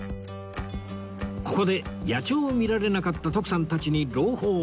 ここで野鳥を見られなかった徳さんたちに朗報！